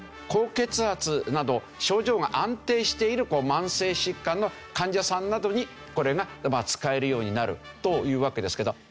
高血圧など症状が安定している慢性疾患の患者さんなどにこれが使えるようになるというわけですけど。